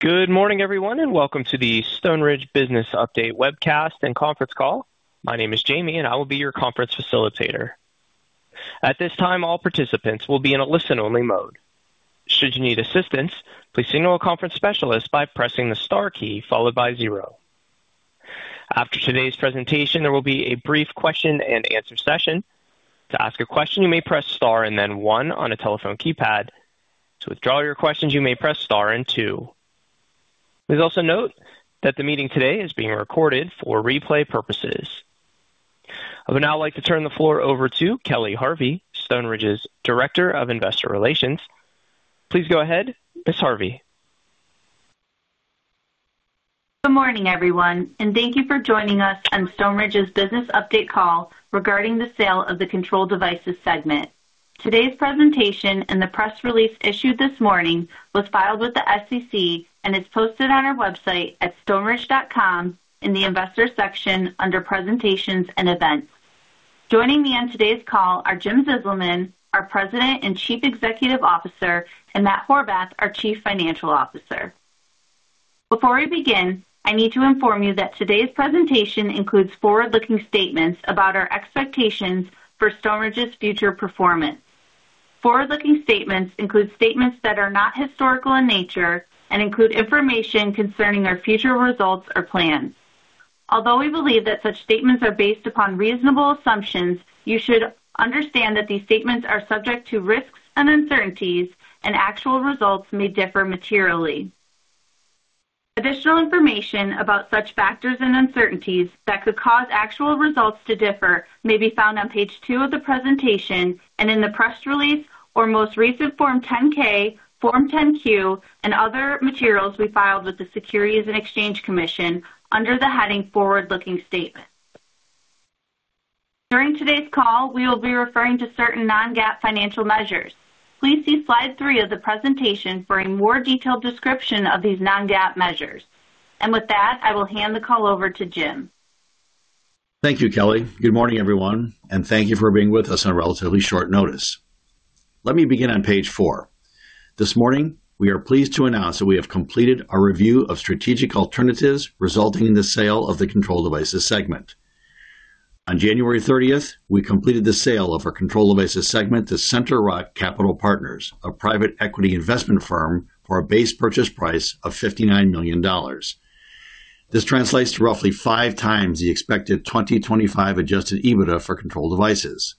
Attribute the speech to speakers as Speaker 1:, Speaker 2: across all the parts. Speaker 1: Good morning everyone and welcome to the Stoneridge business update webcast and conference call. My name is Jamie and I will be your conference facilitator. At this time all participants will be in a listen-only mode. Should you need assistance please signal a conference specialist by pressing the star key followed by zero. After today's presentation there will be a brief question-and-answer session. To ask a question you may press star and then one on a telephone keypad. To withdraw your questions you may press star and two. Please also note that the meeting today is being recorded for replay purposes. I would now like to turn the floor over to Kelly Harvey, Stoneridge's Director of Investor Relations. Please go ahead, Ms. Harvey.
Speaker 2: Good morning everyone and thank you for joining us on Stoneridge's Business Update call regarding the sale of the Control Devices segment. Today's presentation and the press release issued this morning was filed with the SEC and is posted on our website at stoneridge.com in the investor section under presentations and events. Joining me on today's call are Jim Zizelman, our President and Chief Executive Officer, and Matt Horvath, our Chief Financial Officer. Before we begin I need to inform you that today's presentation includes forward-looking statements about our expectations for Stoneridge's future performance. Forward-looking statements include statements that are not historical in nature and include information concerning our future results or plans. Although we believe that such statements are based upon reasonable assumptions you should understand that these statements are subject to risks and uncertainties and actual results may differ materially. Additional information about such factors and uncertainties that could cause actual results to differ may be found on page two of the presentation and in the press release or most recent Form 10-K, Form 10-Q, and other materials we filed with the Securities and Exchange Commission under the heading forward-looking statements. During today's call we will be referring to certain non-GAAP financial measures. Please see slide three of the presentation for a more detailed description of these non-GAAP measures. With that I will hand the call over to Jim.
Speaker 3: Thank you, Kelly. Good morning everyone and thank you for being with us on relatively short notice. Let me begin on page four. This morning we are pleased to announce that we have completed our review of strategic alternatives resulting in the sale of the Controlled Devices segment. On January 30th, we completed the sale of our Controlled Devices segment to Center Rock Capital Partners, a private equity investment firm, for a base purchase price of $59 million. This translates to roughly 5x the expected 2025 Adjusted EBITDA for Controlled Devices.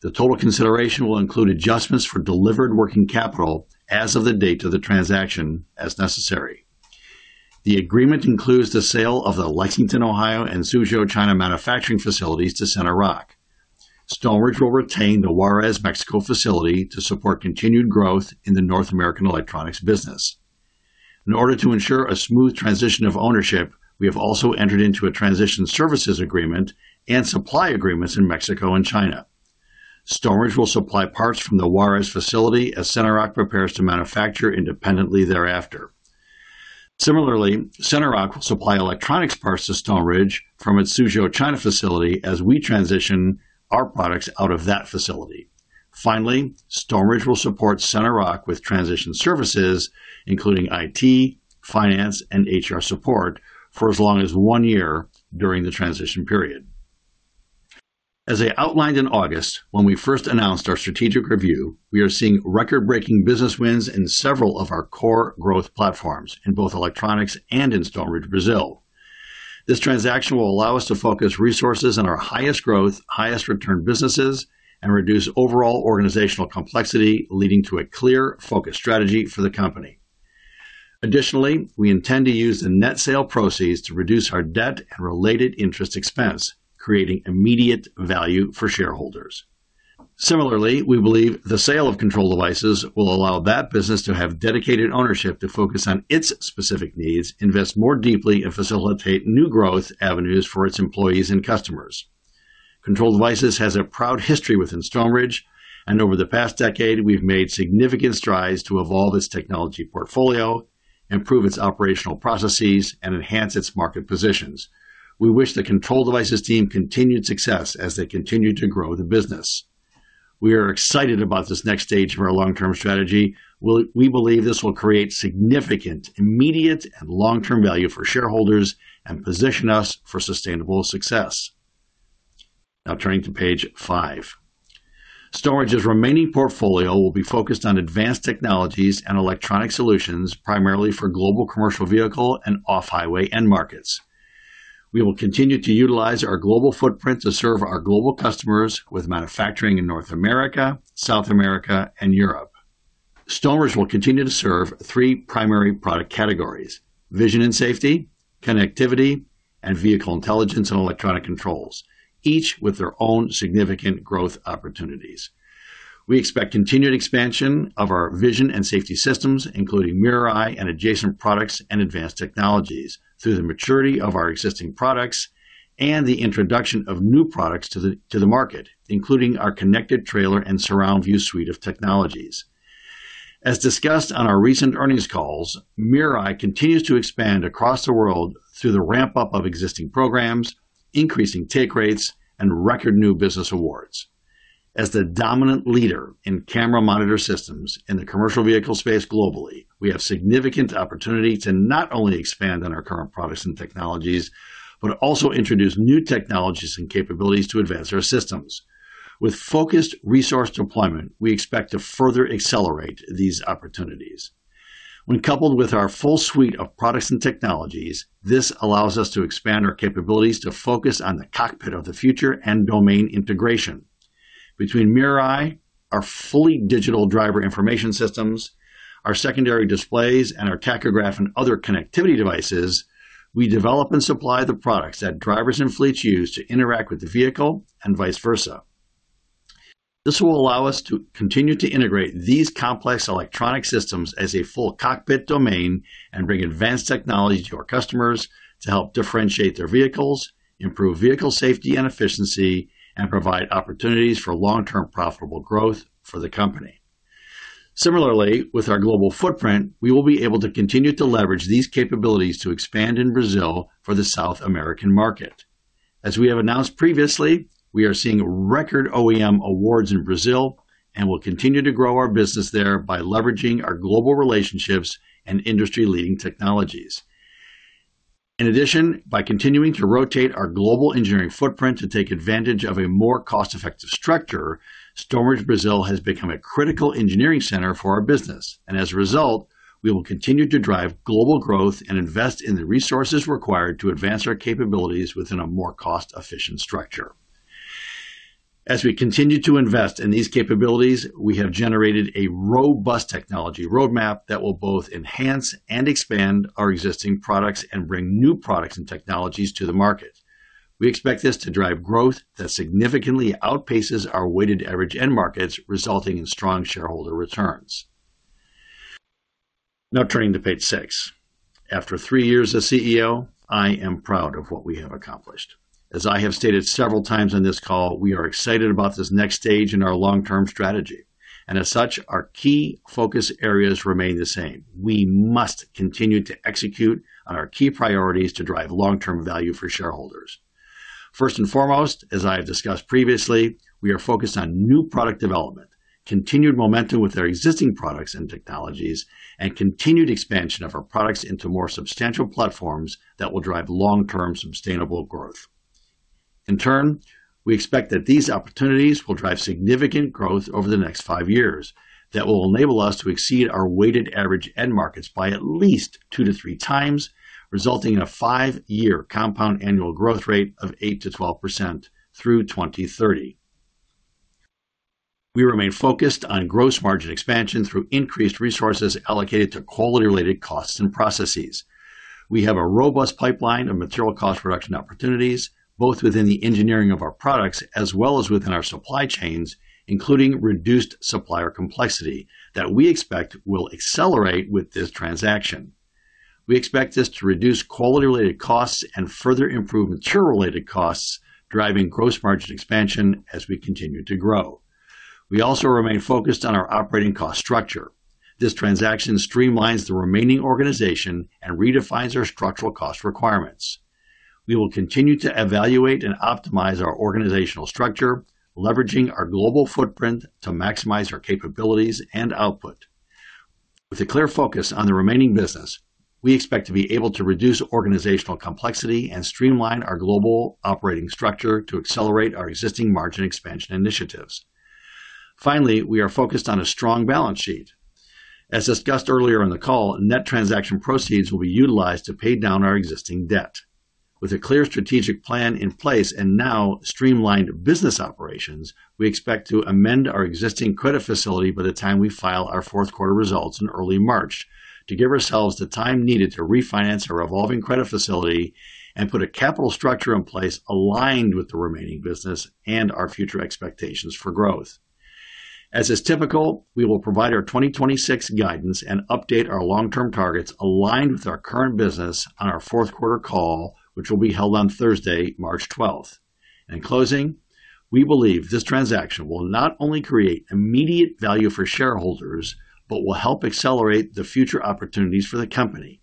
Speaker 3: The total consideration will include adjustments for delivered working capital as of the date of the transaction as necessary. The agreement includes the sale of the Lexington, Ohio, and Suzhou, China, manufacturing facilities to Center Rock. Stoneridge will retain the Juarez, Mexico, facility to support continued growth in the North American electronics business. In order to ensure a smooth transition of ownership, we have also entered into a transition services agreement and supply agreements in Mexico and China. Stoneridge will supply parts from the Juarez facility as Center Rock prepares to manufacture independently thereafter. Similarly, Center Rock will supply electronics parts to Stoneridge from its Suzhou, China facility as we transition our products out of that facility. Finally, Stoneridge will support Center Rock with transition services including IT, finance, and HR support for as long as one year during the transition period. As I outlined in August when we first announced our strategic review, we are seeing record-breaking business wins in several of our core growth platforms in both electronics and in Stoneridge Brazil. This transaction will allow us to focus resources on our highest growth, highest return businesses, and reduce overall organizational complexity leading to a clear focus strategy for the company. Additionally, we intend to use the net sale proceeds to reduce our debt and related interest expense, creating immediate value for shareholders. Similarly, we believe the sale of Control Devices will allow that business to have dedicated ownership to focus on its specific needs, invest more deeply, and facilitate new growth avenues for its employees and customers. Control Devices has a proud history within Stoneridge, and over the past decade we've made significant strides to evolve its technology portfolio, improve its operational processes, and enhance its market positions. We wish the Control Devices team continued success as they continue to grow the business. We are excited about this next stage of our long-term strategy. We believe this will create significant, immediate, and long-term value for shareholders and position us for sustainable success. Now turning to page five. Stoneridge's remaining portfolio will be focused on advanced technologies and electronic solutions primarily for global commercial vehicle and off-highway end markets. We will continue to utilize our global footprint to serve our global customers with manufacturing in North America, South America, and Europe. Stoneridge will continue to serve three primary product categories: Vision and Safety, Connectivity, and Vehicle Intelligence and Electronic Controls, each with their own significant growth opportunities. We expect continued expansion of our Vision and Safety systems including MirrorEye and adjacent products and advanced technologies through the maturity of our existing products and the introduction of new products to the market including our Connected Trailer and SurroundView suite of technologies. As discussed on our recent earnings calls, MirrorEye continues to expand across the world through the ramp-up of existing programs, increasing take rates, and record new business awards. As the dominant leader in Camera Monitor Systems in the commercial vehicle space globally we have significant opportunity to not only expand on our current products and technologies but also introduce new technologies and capabilities to advance our systems. With focused resource deployment we expect to further accelerate these opportunities. When coupled with our full suite of products and technologies this allows us to expand our capabilities to focus on the cockpit of the future and domain integration. Between MirrorEye, our fully digital driver information systems, our secondary displays, and our tachograph and other connectivity devices we develop and supply the products that drivers and fleets use to interact with the vehicle and vice versa. This will allow us to continue to integrate these complex electronic systems as a full cockpit domain and bring advanced technology to our customers to help differentiate their vehicles, improve vehicle safety and efficiency, and provide opportunities for long-term profitable growth for the company. Similarly, with our global footprint we will be able to continue to leverage these capabilities to expand in Brazil for the South American market. As we have announced previously we are seeing record OEM awards in Brazil and will continue to grow our business there by leveraging our global relationships and industry-leading technologies. In addition, by continuing to rotate our global engineering footprint to take advantage of a more cost-effective structure, Stoneridge, Brazil, has become a critical engineering center for our business and as a result we will continue to drive global growth and invest in the resources required to advance our capabilities within a more cost-efficient structure. As we continue to invest in these capabilities, we have generated a robust technology roadmap that will both enhance and expand our existing products and bring new products and technologies to the market. We expect this to drive growth that significantly outpaces our weighted average end markets, resulting in strong shareholder returns. Now turning to page six. After three years as CEO, I am proud of what we have accomplished. As I have stated several times on this call, we are excited about this next stage in our long-term strategy, and as such, our key focus areas remain the same. We must continue to execute on our key priorities to drive long-term value for shareholders. First and foremost, as I have discussed previously, we are focused on new product development, continued momentum with our existing products and technologies, and continued expansion of our products into more substantial platforms that will drive long-term sustainable growth. In turn, we expect that these opportunities will drive significant growth over the next 5 years that will enable us to exceed our weighted average end markets by at least 2x-3x, resulting in a 5-year Compound Annual Growth Rate of 8%-12% through 2030. We remain focused on gross margin expansion through increased resources allocated to quality-related costs and processes. We have a robust pipeline of material cost reduction opportunities both within the engineering of our products as well as within our supply chains including reduced supplier complexity that we expect will accelerate with this transaction. We expect this to reduce quality-related costs and further improve material-related costs driving gross margin expansion as we continue to grow. We also remain focused on our operating cost structure. This transaction streamlines the remaining organization and redefines our structural cost requirements. We will continue to evaluate and optimize our organizational structure leveraging our global footprint to maximize our capabilities and output. With a clear focus on the remaining business we expect to be able to reduce organizational complexity and streamline our global operating structure to accelerate our existing margin expansion initiatives. Finally, we are focused on a strong balance sheet. As discussed earlier on the call net transaction proceeds will be utilized to pay down our existing debt. With a clear strategic plan in place and now streamlined business operations we expect to amend our existing credit facility by the time we file our fourth quarter results in early March to give ourselves the time needed to refinance our evolving credit facility and put a capital structure in place aligned with the remaining business and our future expectations for growth. As is typical we will provide our 2026 guidance and update our long-term targets aligned with our current business on our fourth quarter call which will be held on Thursday, March 12th. In closing, we believe this transaction will not only create immediate value for shareholders but will help accelerate the future opportunities for the company.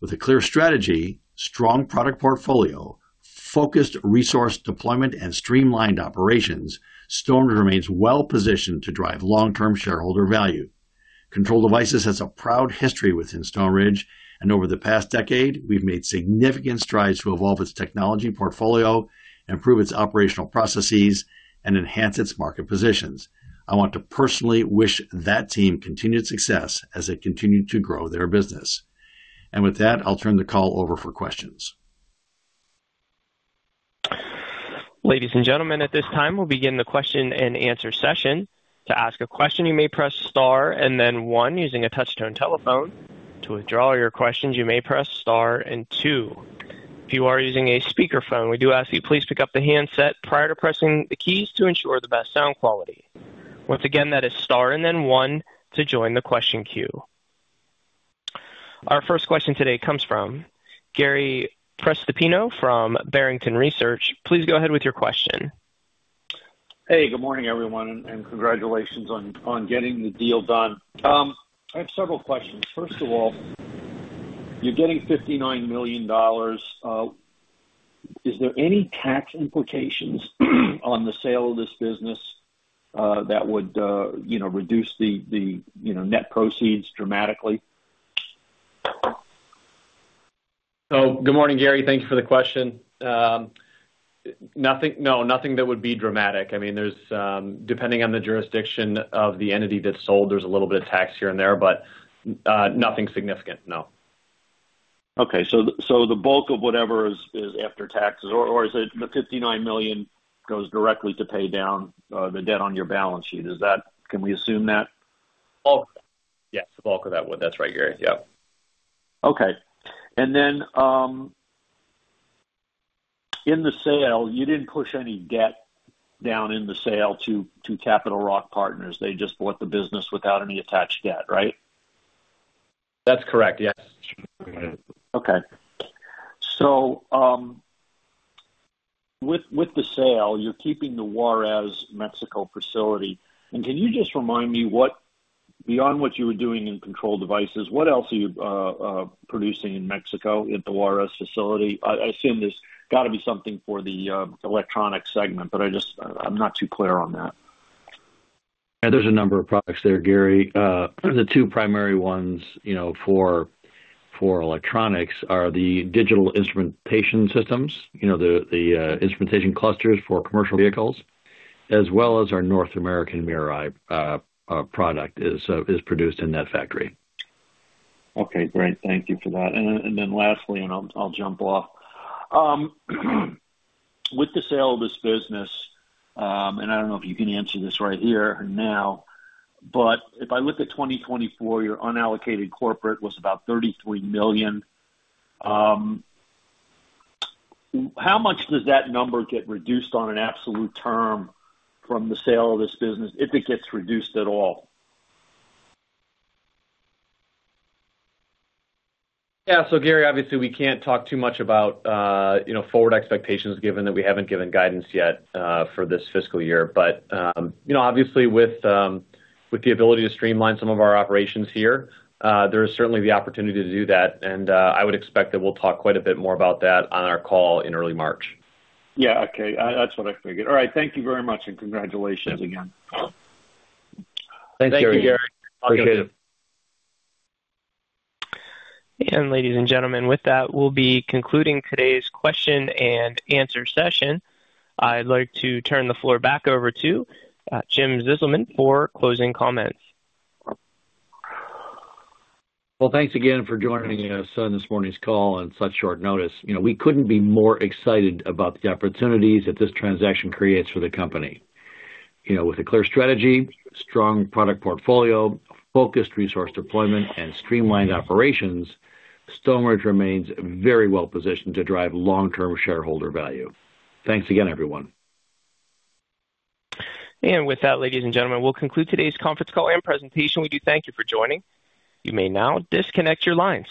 Speaker 3: With a clear strategy, strong product portfolio, focused resource deployment, and streamlined operations, Stoneridge remains well positioned to drive long-term shareholder value. Control Devices has a proud history within Stoneridge, and over the past decade we've made significant strides to evolve its technology portfolio, improve its operational processes, and enhance its market positions. I want to personally wish that team continued success as they continue to grow their business. With that I'll turn the call over for questions.
Speaker 1: Ladies and gentlemen, at this time we'll begin the question-and-answer session. To ask a question you may press star and then one using a touch tone telephone. To withdraw your questions you may press star and two. If you are using a speakerphone we do ask that you please pick up the handset prior to pressing the keys to ensure the best sound quality. Once again that is star and then one to join the question queue. Our first question today comes from Gary Prestopino from Barrington Research. Please go ahead with your question.
Speaker 4: Hey, good morning everyone and congratulations on getting the deal done. I have several questions. First of all, you're getting $59 million. Is there any tax implications on the sale of this business that would reduce the net proceeds dramatically?
Speaker 5: Good morning, Gary. Thank you for the question. No, nothing that would be dramatic. I mean, depending on the jurisdiction of the entity that sold, there's a little bit of tax here and there, but nothing significant, no.
Speaker 4: Okay. So the bulk of whatever is after taxes or is it the $59 million goes directly to pay down the debt on your balance sheet? Can we assume that?
Speaker 5: Yes, the bulk of that would. That's right Gary, yep.
Speaker 4: Okay. And then in the sale you didn't push any debt down in the sale to Center Rock Capital Partners. They just bought the business without any attached debt, right?
Speaker 5: That's correct, yes.
Speaker 4: Okay. So with the sale you're keeping the Juarez, Mexico, facility and can you just remind me beyond what you were doing in Controlled Devices what else are you producing in Mexico at the Juarez facility? I assume there's got to be something for the electronics segment but I'm not too clear on that.
Speaker 3: Yeah, there's a number of products there, Gary. The two primary ones for electronics are the digital instrumentation systems, the instrumentation clusters for commercial vehicles, as well as our North American MirrorEye product is produced in that factory.
Speaker 4: Okay, great. Thank you for that. And then lastly and I'll jump off with the sale of this business and I don't know if you can answer this right here or now but if I look at 2024 your unallocated corporate was about $33 million. How much does that number get reduced on an absolute term from the sale of this business if it gets reduced at all?
Speaker 5: Yeah, so Gary, obviously we can't talk too much about forward expectations given that we haven't given guidance yet for this fiscal year, but obviously with the ability to streamline some of our operations here, there is certainly the opportunity to do that, and I would expect that we'll talk quite a bit more about that on our call in early March.
Speaker 4: Yeah, okay. That's what I figured. All right, thank you very much and congratulations again.
Speaker 3: Thanks, Gary. Appreciate it.
Speaker 1: Ladies and gentlemen, with that we'll be concluding today's question-and-answer session. I'd like to turn the floor back over to Jim Zizelman for closing comments.
Speaker 3: Well, thanks again for joining us on this morning's call on such short notice. We couldn't be more excited about the opportunities that this transaction creates for the company. With a clear strategy, strong product portfolio, focused resource deployment, and streamlined operations, Stoneridge remains very well positioned to drive long-term shareholder value. Thanks again, everyone.
Speaker 1: With that ladies and gentlemen we'll conclude today's conference call and presentation. We do thank you for joining. You may now disconnect your lines.